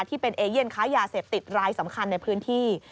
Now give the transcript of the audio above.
ที่เป็นเอเย่นค้ายาเสพติดรายสำคัญในพื้นที่